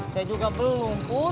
saya juga belum pur